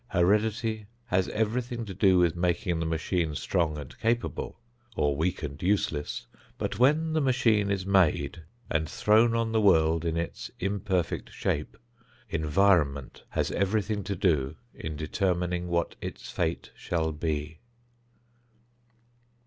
Heredity has everything to do with making the machine strong and capable, or weak and useless; but when the machine is made and thrown on the world in its imperfect shape, environment has everything to do in determining what its fate shall be.